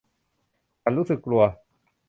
ฉันรู้สึกกลัว